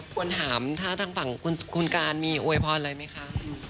ควรถามถ้าทางฝั่งคุณการมีอวยพรอะไรไหมคะ